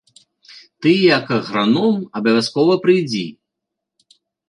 Ты, як аграном, абавязкова прыйдзі.